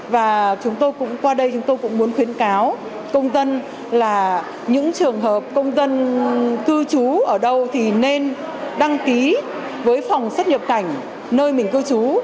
và chúng tôi cũng qua đây chúng tôi cũng muốn khuyến cáo công dân là những trường hợp công dân cư trú ở đâu thì nên đăng ký với phòng xuất nhập cảnh nơi mình cư trú